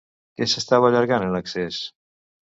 Què s'estava allargant en excés?